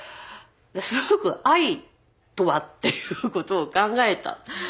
すごく愛とはっていうことを考えた。